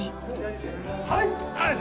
はい！